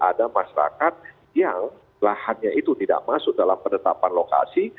ada masyarakat yang lahannya itu tidak masuk dalam penetapan lokasi